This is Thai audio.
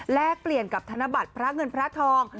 แลกเปลี่ยนกับธนบัตรพระเงินพระทอง